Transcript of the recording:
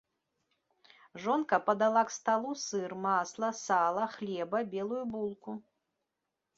Жонка падала к сталу сыр, масла, сала, хлеба, белую булку.